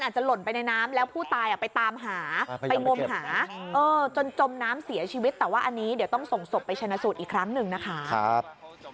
ชนะสูตรอีกครั้งหนึ่งนะคะครับ